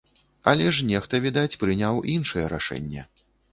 Але ж нехта, відаць, прыняў іншае рашэнне.